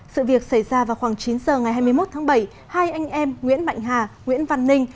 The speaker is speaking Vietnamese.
sự việc xảy ra vào khoảng chín giờ ngày hai mươi một tháng bảy hai anh em nguyễn mạnh hà nguyễn văn ninh